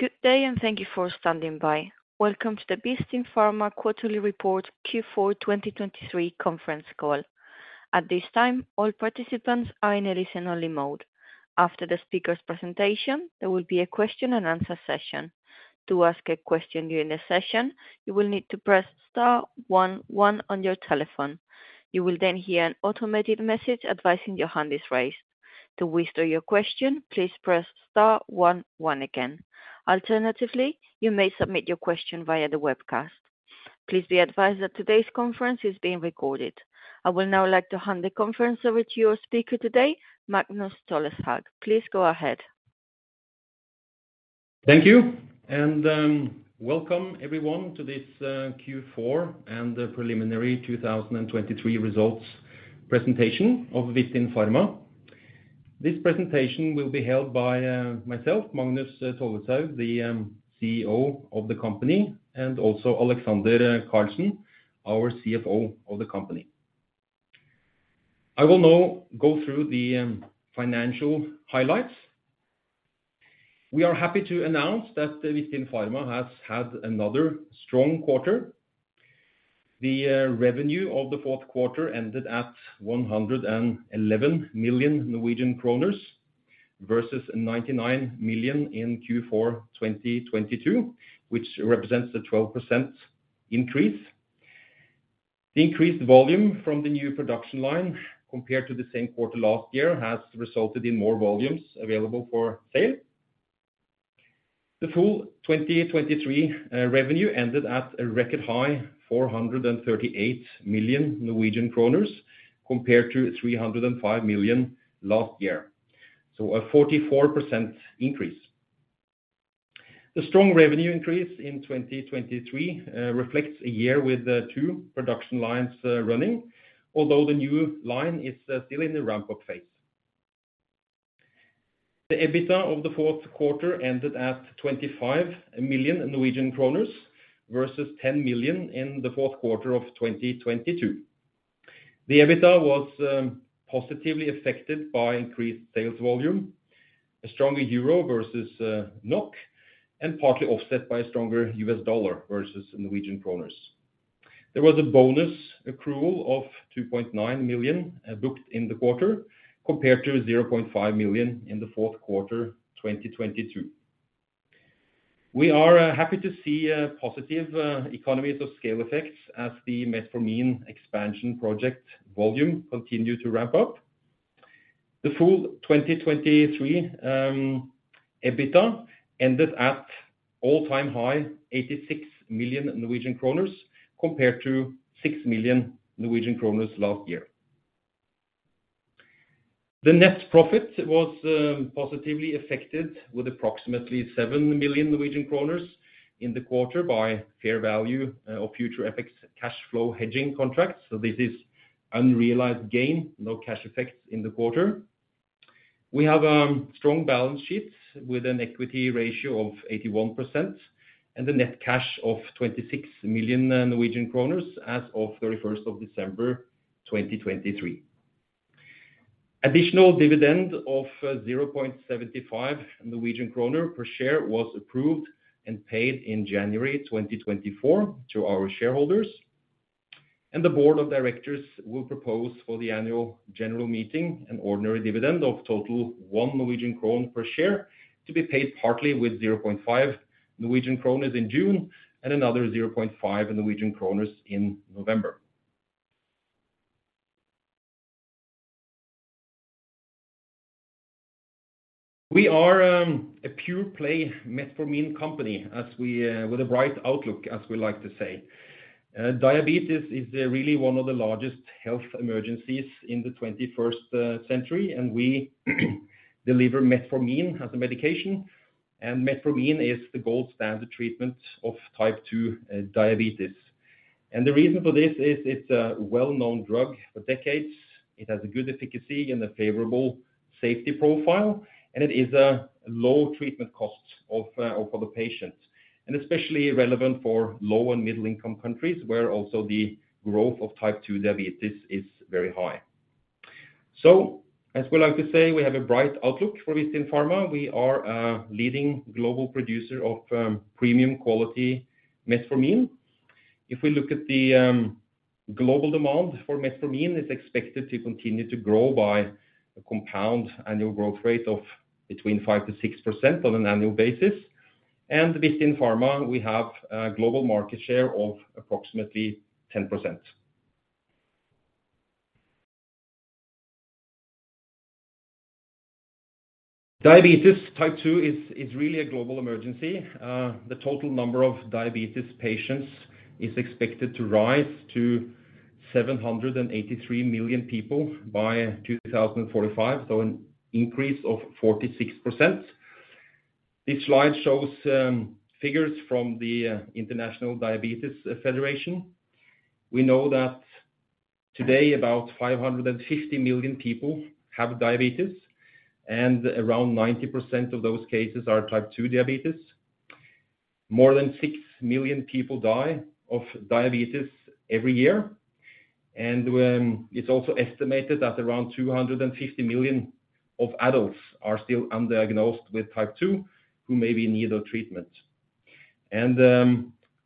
Good day, and thank you for standing by. Welcome to the Vistin Pharma Quarterly Report, Q4 2023 conference call. At this time, all participants are in a listen-only mode. After the speaker's presentation, there will be a question and answer session. To ask a question during the session, you will need to "press star one one" on your telephone. You will then hear an automated message advising your hand is raised. To withdraw your question, "please press star one one" again. Alternatively, you may submit your question via the webcast. Please be advised that today's conference is being recorded. I will now like to hand the conference over to your speaker today, Magnus Tolleshaug. Please go ahead. Thank you, and, welcome everyone to this, Q4 and the preliminary 2023 results presentation of Vistin Pharma. This presentation will be held by, myself, Magnus Tolleshaug, the, CEO of the company, and also Alexander Karlsen, our CFO of the company. I will now go through the, financial highlights. We are happy to announce that Vistin Pharma has had another strong quarter. The, revenue of the fourth quarter ended at 111 million Norwegian kroner versus 99 million in Q4 2022, which represents a 12% increase. The increased volume from the new production line compared to the same quarter last year, has resulted in more volumes available for sale. The full 2023 revenue ended at a record high 438 million Norwegian kroner, compared to 305 million last year, so a 44% increase. The strong revenue increase in 2023 reflects a year with two production lines running, although the new line is still in the ramp-up phase. The EBITDA of the fourth quarter ended at 25 million Norwegian kroner versus 10 million Norwegian kroner in the fourth quarter of 2022. The EBITDA was positively affected by increased sales volume, a stronger euro versus NOK, and partly offset by a stronger US dollar versus Norwegian kroner. There was a bonus accrual of 2.9 million booked in the quarter, compared to 0.5 million in the fourth quarter, 2022. We are happy to see a positive economies of scale effects as the Metformin Expansion Project volume continue to ramp up. The full 2023 EBITDA ended at all-time high, 86 million Norwegian kroner, compared to 6 million Norwegian kroner last year. The net profit was positively affected with approximately 7 million Norwegian kroner in the quarter by fair value of future FX cash flow hedging contracts. So this is unrealized gain, no cash effects in the quarter. We have strong balance sheets with an equity ratio of 81% and a net cash of 26 million Norwegian kroner as of 31st of December 2023. Additional dividend of 0.75 Norwegian kroner per share was approved and paid in January 2024 to our shareholders. The board of directors will propose for the annual general meeting an ordinary dividend of total 1.0 per share, to be paid partly with 0.5 Norwegian kroner in June and another 0.5 Norwegian kroner in November. We are a pure play metformin company, as we with a bright outlook, as we like to say. Diabetes is really one of the largest health emergencies in the 21st century, and we deliver metformin as a medication, and metformin is the gold standard treatment of type 2 diabetes. The reason for this is it's a well-known drug for decades, it has a good efficacy and a favorable safety profile, and it is a low treatment cost of for the patients, and especially relevant for low and middle-income countries, where also the growth of type 2 diabetes is very high. So as we like to say, we have a bright outlook for Vistin Pharma. We are a leading global producer of premium quality metformin. If we look at the global demand for metformin, it's expected to continue to grow by a compound annual growth rate of between 5%-6% on an annual basis. And Vistin Pharma, we have a global market share of approximately 10%. Type 2 diabetes is really a global emergency. The total number of diabetes patients is expected to rise to 783 million people by 2045, so an increase of 46%. This slide shows figures from the International Diabetes Federation. We know that today, about 550 million people have diabetes, and around 90% of those cases are type 2 diabetes. More than 6 million people die of diabetes every year, and it's also estimated that around 250 million adults are still undiagnosed with type 2, who may be in need of treatment.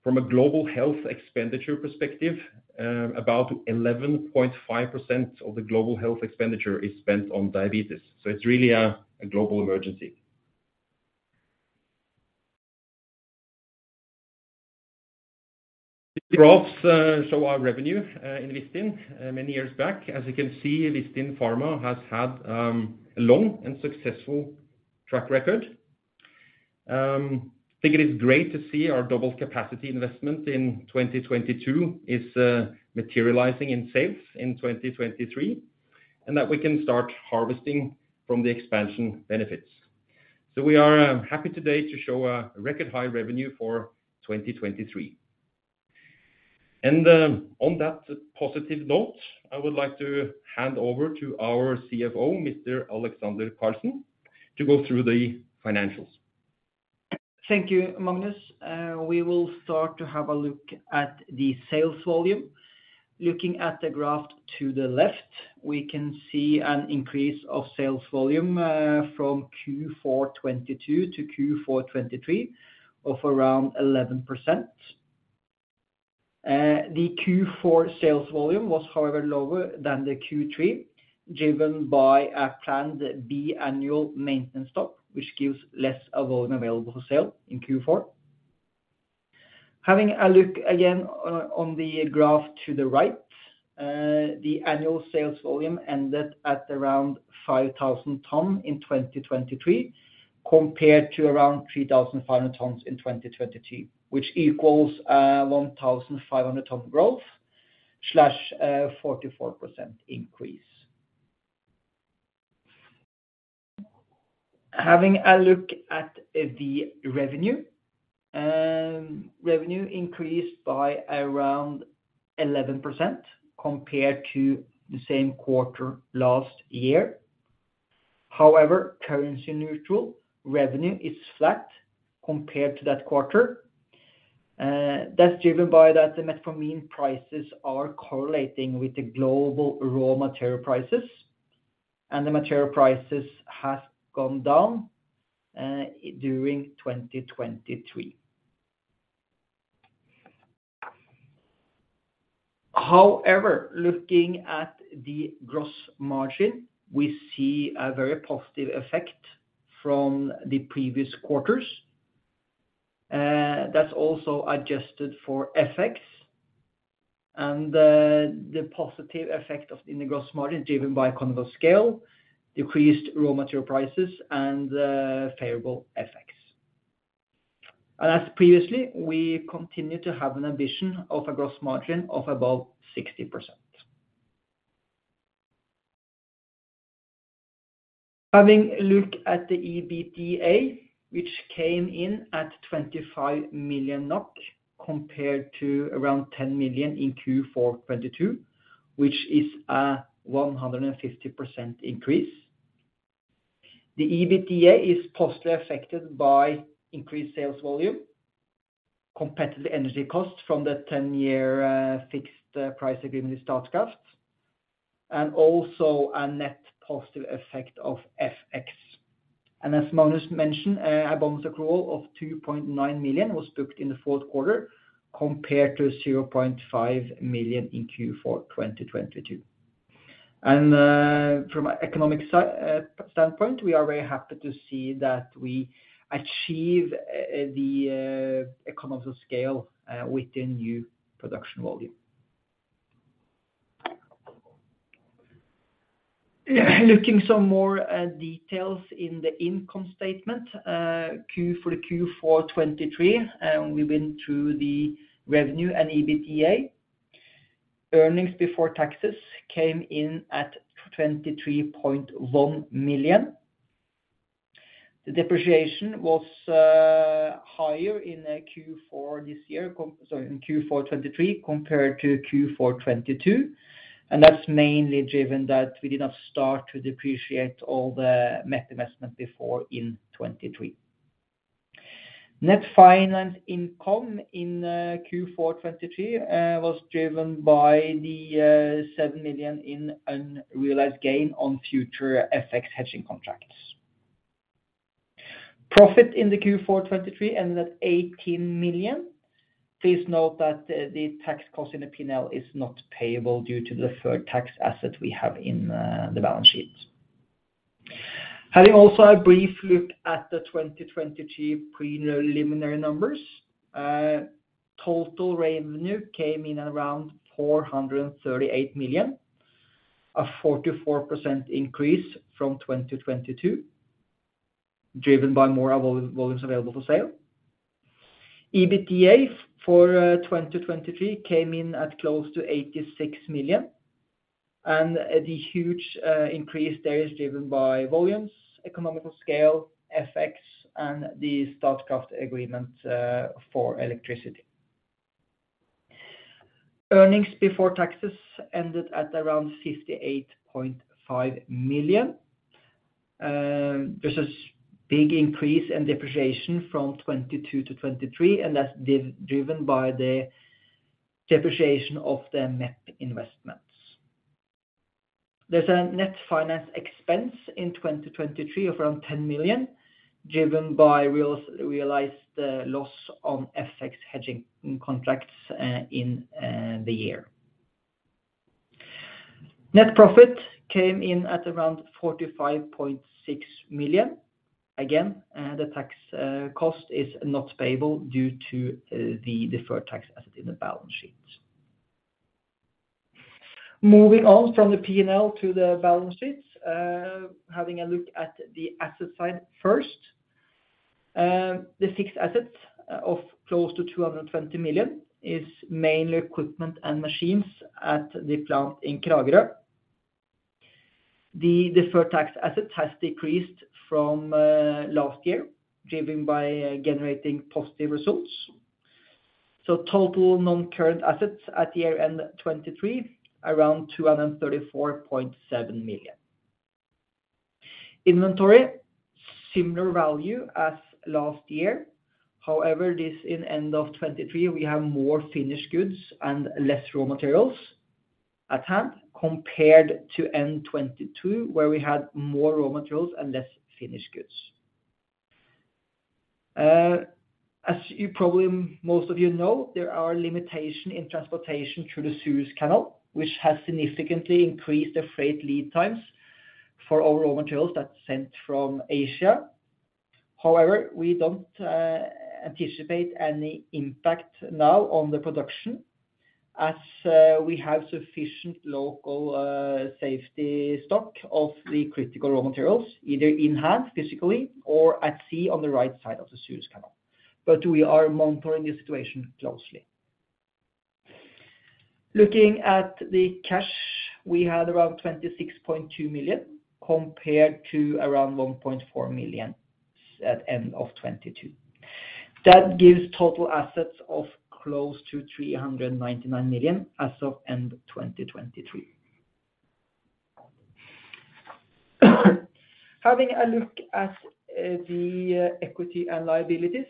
From a global health expenditure perspective, about 11.5% of the global health expenditure is spent on diabetes, so it's really a global emergency. Graphs show our revenue in Vistin many years back. As you can see, Vistin Pharma has had a long and successful track record. I think it is great to see our double capacity investment in 2022 is materializing in sales in 2023, and that we can start harvesting from the expansion benefits. So we are happy today to show a record high revenue for 2023. On that positive note, I would like to hand over to our CFO, Mr. Alexander Karlsen, to go through the financials. Thank you, Magnus. We will start to have a look at the sales volume. Looking at the graph to the left, we can see an increase of sales volume from Q4 2022 to Q4 2023 of around 11%. The Q4 sales volume was however lower than the Q3, driven by a planned bi-annual maintenance stop, which gives less of volume available for sale in Q4. Having a look again on the graph to the right, the annual sales volume ended at around 5,000 tons in 2023, compared to around 3,500 tons in 2022, which equals 1,500 tons growth, 44% increase. Having a look at the revenue. Revenue increased by around 11% compared to the same quarter last year. However, currency neutral revenue is flat compared to that quarter. That's driven by that the metformin prices are correlating with the global raw material prices, and the material prices has gone down during 2023. However, looking at the gross margin, we see a very positive effect from the previous quarters. That's also adjusted for effects, and the positive effect of the gross margin, driven by economies of scale, decreased raw material prices, and favorable effects. And as previously, we continue to have an ambition of a gross margin of above 60%. Having a look at the EBITDA, which came in at 25 million NOK, compared to around 10 million in Q4 2022, which is a 150% increase. The EBITDA is positively affected by increased sales volume, competitive energy costs from the 10-year fixed price agreement with Statkraft, and also a net positive effect of FX. As Magnus mentioned, a bonus accrual of 2.9 million was booked in the fourth quarter, compared to 0.5 million in Q4 2022. From an economic standpoint, we are very happy to see that we achieve the economies of scale within new production volume. Looking some more details in the income statement. For the Q4 2023, we've been through the revenue and EBITDA. Earnings before taxes came in at 23.1 million. The depreciation was higher in Q4 this year, sorry, in Q4 2023, compared to Q4 2022, and that's mainly driven that we did not start to depreciate all the MEP investment before in 2023. Net finance income in Q4 2023 was driven by the 7 million in unrealized gain on future FX hedging contracts. Profit in the Q4 2023 ended at 18 million. Please note that the tax cost in the P&L is not payable due to the deferred tax asset we have in the balance sheet. Having also a brief look at the 2023 preliminary numbers. Total revenue came in at around 438 million, a 44% increase from 2022, driven by more volumes available for sale. EBITDA for 2023 came in at close to 86 million, and the huge increase there is driven by volumes, economical scale, FX, and the Statkraft agreement for electricity. Earnings before taxes ended at around 58.5 million. There's a big increase in depreciation from 2022 to 2023, and that's driven by the depreciation of the MEP investments. There's a net finance expense in 2023 of around 10 million, driven by realized loss on FX hedging contracts in the year. Net profit came in at around 45.6 million. Again, the tax cost is not payable due to the deferred tax asset in the balance sheet. Moving on from the P&L to the balance sheet, having a look at the asset side first. The fixed assets of close to 220 million is mainly equipment and machines at the plant in Kragerø. The deferred tax asset has decreased from last year, driven by generating positive results. So total non-current assets at year end 2023, around NOK 234.7 million. Inventory, similar value as last year. However, this in end of 2023, we have more finished goods and less raw materials at hand, compared to end 2022, where we had more raw materials and less finished goods. As you probably, most of you know, there are limitations in transportation through the Suez Canal, which has significantly increased the freight lead times for all raw materials that's sent from Asia. However, we don't anticipate any impact now on the production, as we have sufficient local safety stock of the critical raw materials, either in-hand, physically, or at sea on the right side of the Suez Canal. But we are monitoring the situation closely. Looking at the cash, we had around 26.2 million, compared to around 1.4 million at end of 2022. That gives total assets of close to 399 million as of end 2023. Having a look at the equity and liabilities,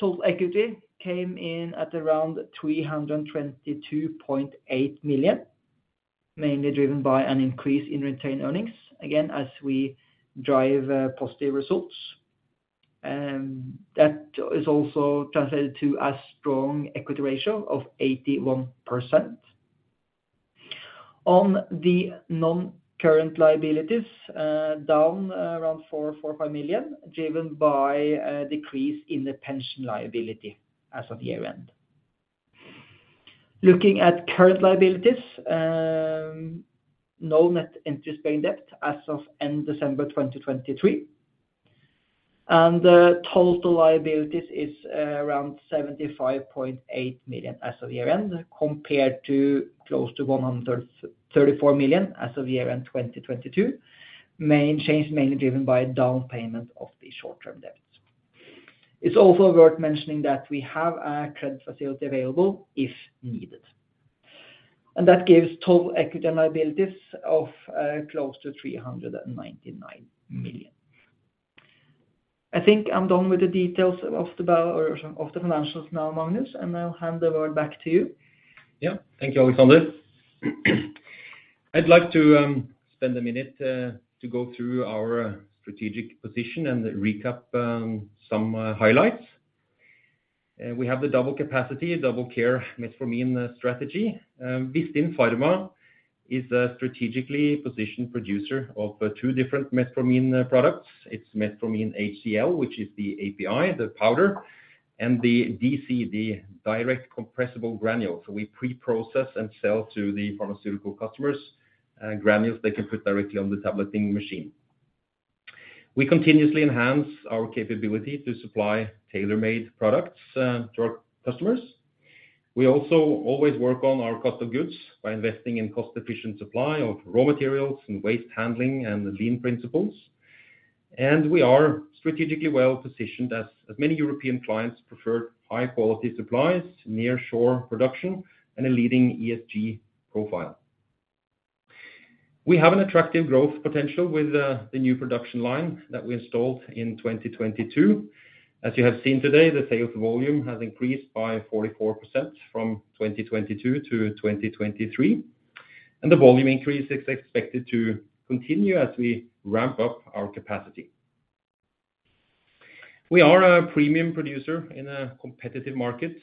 total equity came in at around 322.8 million, mainly driven by an increase in retained earnings, again, as we drive positive results. That is also translated to a strong equity ratio of 81%. On the non-current liabilities, down around 4.4 million, driven by a decrease in the pension liability as of year-end. Looking at current liabilities, no net interest paying debt as of end December 2023. The total liabilities is around 75.8 million as of year-end, compared to close to 134 million as of year-end 2022. Main change, mainly driven by a down payment of the short-term debts. It's also worth mentioning that we have a credit facility available if needed. That gives total equity and liabilities of close to 399 million. I think I'm done with the details of the financials now, Magnus, and I'll hand the word back to you. Yeah. Thank you, Alexander. I'd like to spend a minute to go through our strategic position and recap some highlights. We have the double capacity, double care metformin strategy. Vistin Pharma is a strategically positioned producer of two different metformin products. It's metformin HCl, which is the API, the powder, and the DC, the direct compressible granules. So we pre-process and sell to the pharmaceutical customers granules they can put directly on the tableting machine. We continuously enhance our capability to supply tailor-made products to our customers. We also always work on our cost of goods by investing in cost-efficient supply of raw materials and waste handling and lean principles. And we are strategically well positioned as many European clients prefer high-quality supplies, nearshore production, and a leading ESG profile. We have an attractive growth potential with the new production line that we installed in 2022. As you have seen today, the sales volume has increased by 44% from 2022 to 2023, and the volume increase is expected to continue as we ramp up our capacity. We are a premium producer in a competitive market.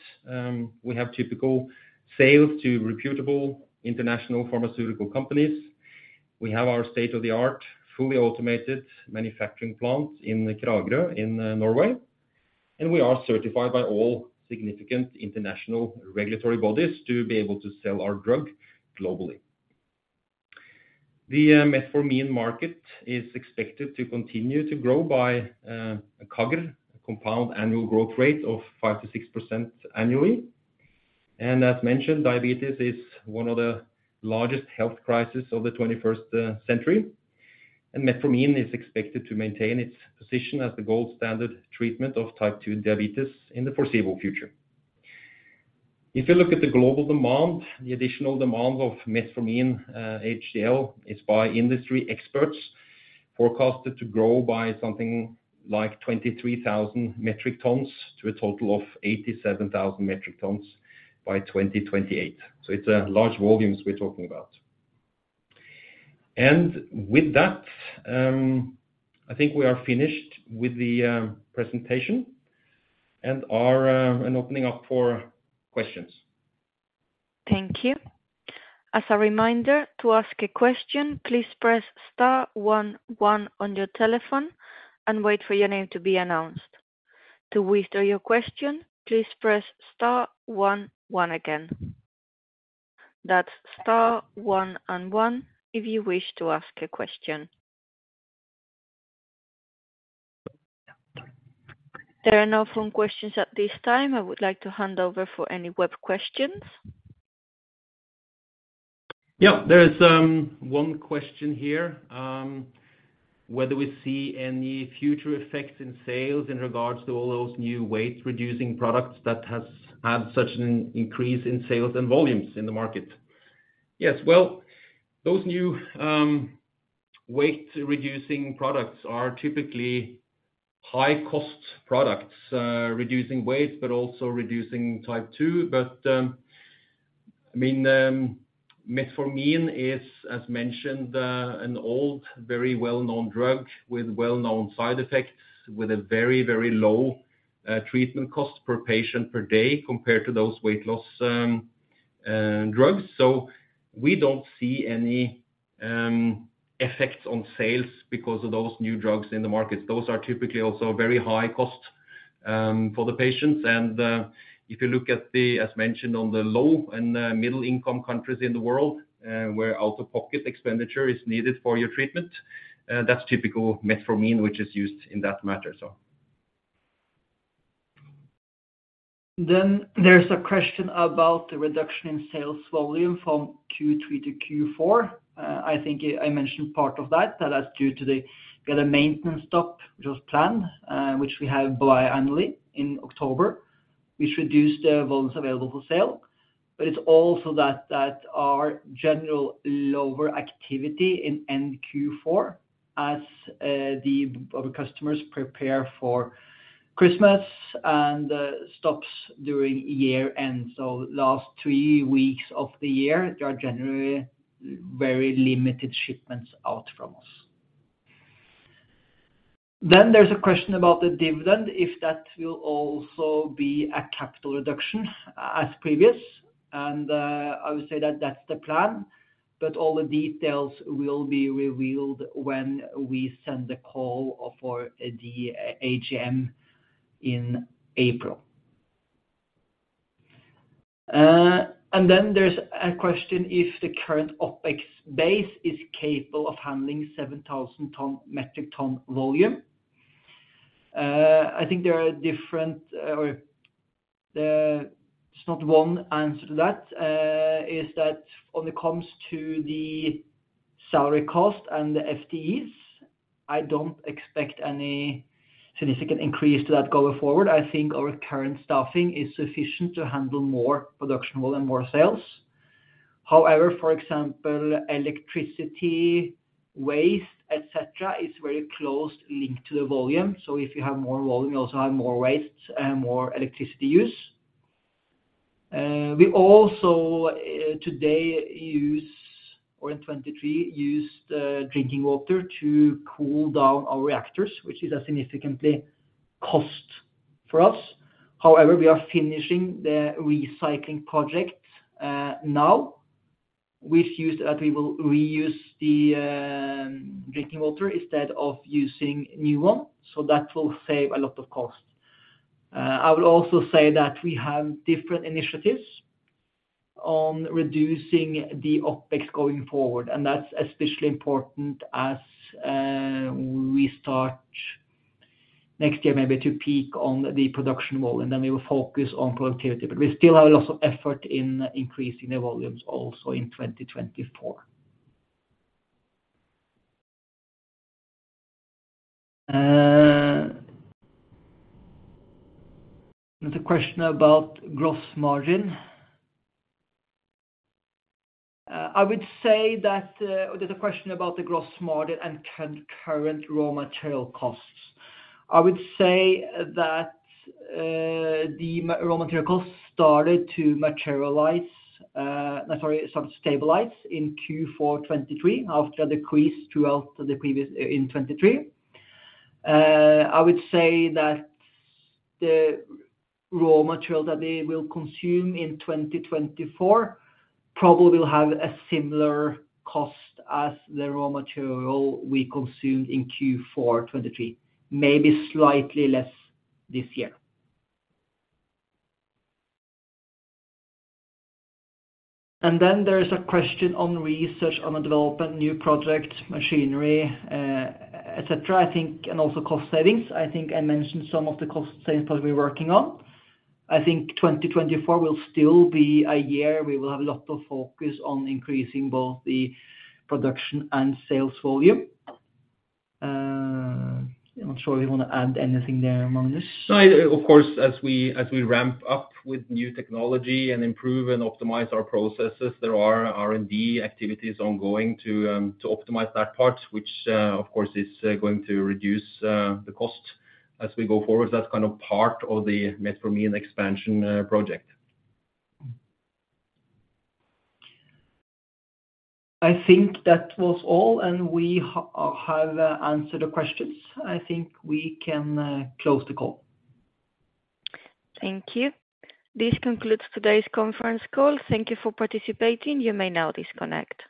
We have typical sales to reputable international pharmaceutical companies. We have our state-of-the-art, fully automated manufacturing plant in Kragerø in Norway, and we are certified by all significant international regulatory bodies to be able to sell our drug globally. The metformin market is expected to continue to grow by a CAGR, compound annual growth rate, of 5%-6% annually. And as mentioned, diabetes is one of the largest health crisis of the 21st century. Metformin is expected to maintain its position as the gold standard treatment of type 2 diabetes in the foreseeable future. If you look at the global demand, the additional demand of metformin HCl is by industry experts forecasted to grow by something like 23,000 metric tons to a total of 87,000 metric tons by 2028. So it's large volumes we're talking about. And with that, I think we are finished with the presentation and are and opening up for questions. Thank you. As a reminder, to ask a question, "please press star one, one" on your telephone and wait for your name to be announced. To withdraw your question, "please press star one, one" again. That's star one and one, if you wish to ask a question. There are no phone questions at this time. I would like to hand over for any web questions. Yeah, there is one question here. Whether we see any future effects in sales in regards to all those new weight-reducing products that has had such an increase in sales and volumes in the market? Yes, well, those new weight-reducing products are typically high-cost products, reducing weight, but also reducing type 2. But, I mean, metformin is, as mentioned, an old, very well-known drug with well-known side effects, with a very, very low treatment cost per patient per day, compared to those weight loss drugs. So we don't see any effects on sales because of those new drugs in the market. Those are typically also very high cost for the patients, and if you look at the, as mentioned, on the low and middle-income countries in the world, where out-of-pocket expenditure is needed for your treatment, that's typical metformin, which is used in that matter so. Then there's a question about the reduction in sales volume from Q3 to Q4. I think I mentioned part of that, that is due to the, we had a maintenance stop, which was planned, which we have biannually in October, which reduced the volumes available for sale. But it's also that, that our general lower activity in end Q4 as, the, our customers prepare for Christmas and, stops during year end. So last three weeks of the year, there are generally very limited shipments out from us. Then there's a question about the dividend, if that will also be a capital reduction as previous. And, I would say that that's the plan, but all the details will be revealed when we send the call for the AGM in April. And then there's a question if the current OpEx base is capable of handling 7,000 metric ton volume. I think there are different, it's not one answer to that. Is that when it comes to the salary cost and the FTEs, I don't expect any significant increase to that going forward. I think our current staffing is sufficient to handle more production more than more sales. However, for example, electricity, waste, et cetera, is very closely linked to the volume. So if you have more volume, you also have more waste and more electricity use. We also, today, use or in 2023, used, drinking water to cool down our reactors, which is a significant cost for us. However, we are finishing the recycling project now, which use that we will reuse the drinking water instead of using new one, so that will save a lot of cost. I will also say that we have different initiatives on reducing the OpEx going forward, and that's especially important as we start next year, maybe to peak on the production wall, and then we will focus on productivity. But we still have a lot of effort in increasing the volumes also in 2024. There's a question about gross margin. I would say that, there's a question about the gross margin and current raw material costs. I would say that the ma- raw material costs started to materialize, sorry, start to stabilize in Q4 2023, after a decrease throughout the previous, in 2023. I would say that the raw material that we will consume in 2024 probably will have a similar cost as the raw material we consumed in Q4 2023, maybe slightly less this year. And then there is a question on research on the development, new project, machinery, et cetera, I think, and also cost savings. I think I mentioned some of the cost savings that we're working on. I think 2024 will still be a year we will have a lot of focus on increasing both the production and sales volume. I'm not sure if you want to add anything there, Magnus. No, of course, as we, as we ramp up with new technology and improve and optimize our processes, there are R&D activities ongoing to, to optimize that part, which, of course, is, going to reduce, the cost as we go forward. That's kind of part of the Metformin Expansion, project. I think that was all, and we have answered the questions. I think we can close the call. Thank you. This concludes today's conference call. Thank you for participating. You may now disconnect.